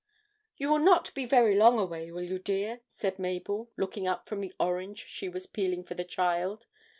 'You will not be very long away, will you, dear?' said Mabel, looking up from the orange she was peeling for the child.